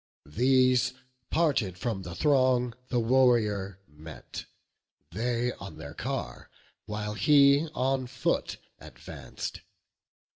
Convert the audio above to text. These, parted from the throng, the warrior met; They on their car, while he on foot advanc'd.